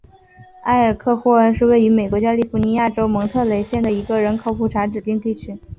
埃尔克霍恩是位于美国加利福尼亚州蒙特雷县的一个人口普查指定地区。